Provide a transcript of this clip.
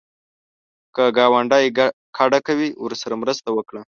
که ګاونډی کډه کوي، ورسره مرسته وکړه